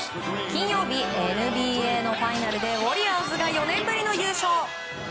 金曜日ＮＢＡのファイナルでウォリアーズが４年ぶりの優勝。